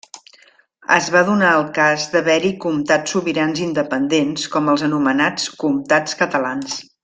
Es va donar el cas d'haver-hi comtats sobirans i independents com els anomenats Comtats catalans.